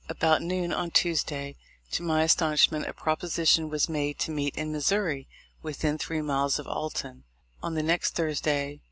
About noon on Tuesday,, to my astonish ment, a proposition was made to meet in Missouri, within three miles of Alton, on the next Thursday!